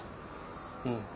うん。